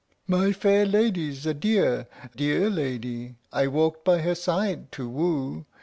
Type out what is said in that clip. My fair lady's a dear, dear lady I walked by her side to woo.